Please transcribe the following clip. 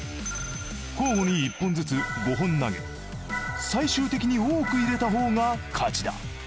交互に１本ずつ５本投げ最終的に多く入れたほうが勝ちだ。